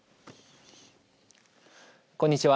こんにちは。